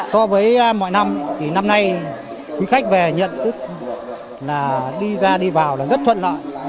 so với mọi năm thì năm nay quý khách về nhận tức là đi ra đi vào là rất thuận lợi